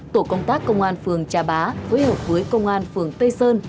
tổ công tác công an phường trà bá phối hợp với công an phường tây sơn